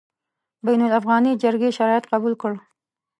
بین الافغاني جرګې شرایط قبول کړل.